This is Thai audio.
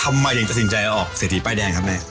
ทำไมถึงตัดสินใจออกเศรษฐีป้ายแดงครับแม่